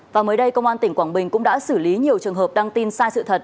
và mới đây công an tỉnh quảng bình cũng đã xử lý nhiều trường hợp đăng tin sai sự thật